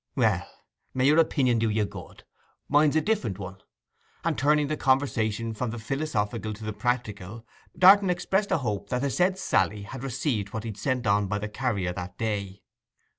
'Well; may your opinion do you good. Mine's a different one.' And turning the conversation from the philosophical to the practical, Darton expressed a hope that the said Sally had received what he'd sent on by the carrier that day.